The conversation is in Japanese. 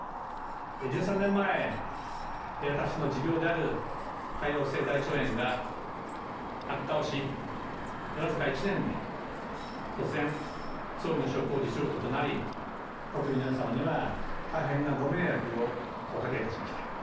１３年前、私の持病である潰瘍性大腸炎が悪化をし、僅か１年で突然、総理の職を辞することとなり、国民の皆様には大変なご迷惑をおかけいたしました。